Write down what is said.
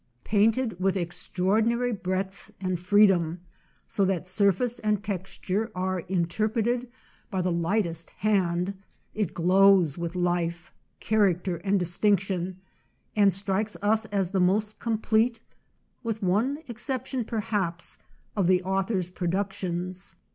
Paint ed with extraordinary breadth and free dom, so that surface and texture are in terpreted by the lightest hand, it glows with life, character, and distinction, and strikes us as the most complete â with one exception perhaps â of the author's pro ductions.